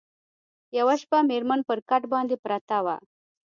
یوه شپه مېرمن پر کټ باندي پرته وه